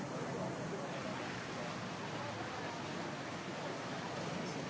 โปรดติดตามต่อไป